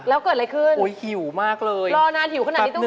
อุ๊ยปั๊บเมืองของใครนั่งสินั่ง